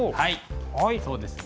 はいそうですね。